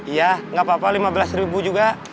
iya nggak apa apa lima belas ribu juga